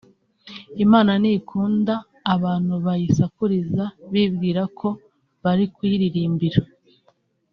Imana ntikunda abantu bayisakuriza bibwira ko bari kuyiririmbira